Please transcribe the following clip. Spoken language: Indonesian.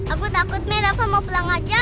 aku takut mie rafa mau pulang aja